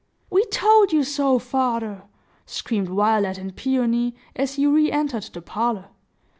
"We told you so, father!" screamed Violet and Peony, as he re entered the parlor.